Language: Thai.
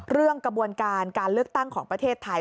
กระบวนการการเลือกตั้งของประเทศไทย